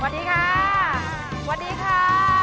สวัสดีค่ะสวัสดีค่ะ